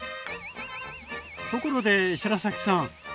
ところで白崎さん